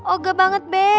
oga banget be